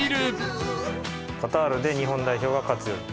カタールで日本代表が勝つように。